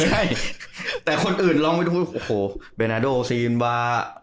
ใช่แต่คนอื่นลองไปดูโอ้โหเบนาโดซีนวา